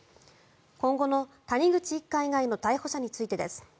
今後の谷口一家以外の逮捕者についてです。